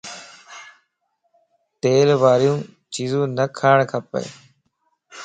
تيل واريون چيزون نه کاڻ کپ